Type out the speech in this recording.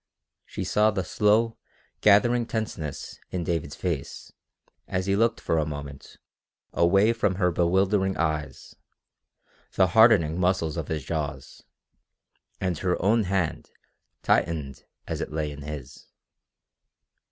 She saw the slow, gathering tenseness in David's face as he looked for a moment away from her bewildering eyes the hardening muscles of his jaws; and her own hand tightened as it lay in his.